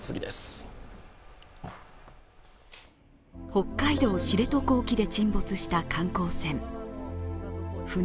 北海道知床沖で沈没した観光船。